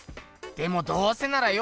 でもどうせならよ